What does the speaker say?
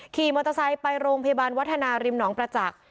ขี่มอเตอร์ไซค์ไปโรงพยาบาลวัฒนาริมหนองประจักษ์